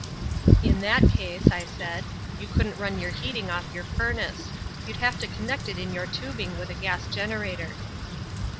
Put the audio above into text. "'In that case,' I said, 'you couldn't run your heating off your furnace: you'd have to connect in your tubing with a gas generator.'